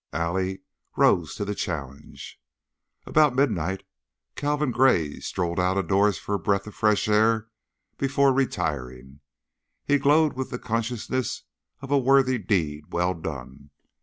Allie rose to the challenge. About midnight Calvin Gray strolled outdoors for a breath of fresh air before retiring. He glowed with the consciousness of a worthy deed well done.